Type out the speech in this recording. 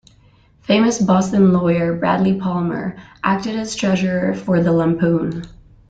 Famous Boston lawyer Bradley Palmer acted as treasurer for "the Lampoon".